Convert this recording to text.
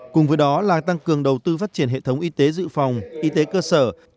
cùng với đó là tăng cường đầu tư phát triển hệ thống y tế dự phòng y tế cơ sở